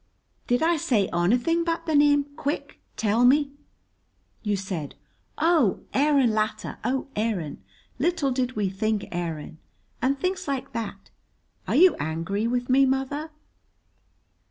"Did I say onything but the name? Quick, tell me." "You said, 'Oh, Aaron Latta, oh, Aaron, little did we think, Aaron,' and things like that. Are you angry with me, mother?"